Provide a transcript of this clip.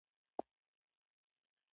خلک د دروغجنو کيسو عبادت کوي.